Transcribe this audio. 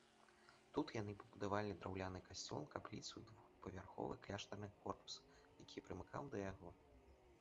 Тут яны пабудавалі драўляны касцёл, капліцу і двухпавярховы кляштарны корпус, які прымыкаў да яго.